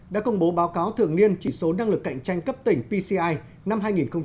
đã công bố báo cáo thường niên chỉ số năng lực cạnh tranh cấp tỉnh pci năm hai nghìn hai mươi